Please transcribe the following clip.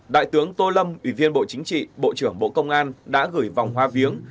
đại tướng tô lâm ủy viên bộ chính trị bộ trưởng bộ công an đã gửi vòng hoa viếng